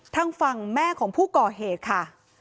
ทั่งฟังแม่ของผู้เกาะเหตุค่ะ